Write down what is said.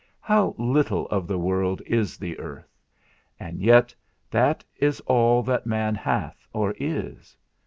How little of the world is the earth! And yet that is all that man hath or is.